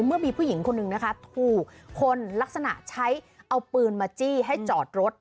เมื่อมีผู้หญิงคนหนึ่งนะคะถูกคนลักษณะใช้เอาปืนมาจี้ให้จอดรถ